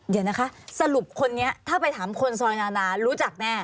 เดี๋ยวนะคะสรุปคนนี้ถ้าไปถามคนซอยนานารู้จักแน่